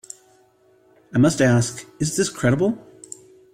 I must ask: 'Is this credible?